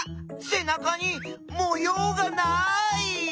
せなかにもようがない！